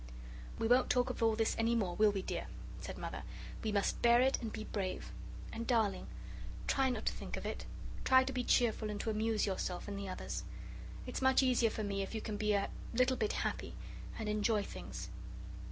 "We won't talk of all this any more, will we, dear?" said Mother; "we must bear it and be brave. And, darling, try not to think of it. Try to be cheerful, and to amuse yourself and the others. It's much easier for me if you can be a little bit happy and enjoy things.